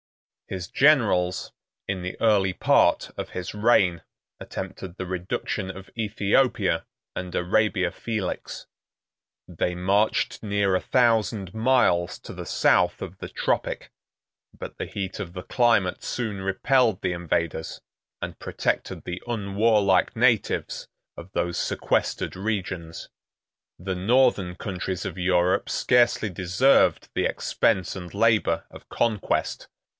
] His generals, in the early part of his reign, attempted the reduction of Ethiopia and Arabia Felix. They marched near a thousand miles to the south of the tropic; but the heat of the climate soon repelled the invaders, and protected the un warlike natives of those sequestered regions. 2c The northern countries of Europe scarcely deserved the expense and labor of conquest.